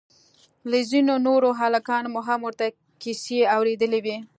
له ځينو نورو هلکانو مو هم ورته کيسې اورېدلې وې.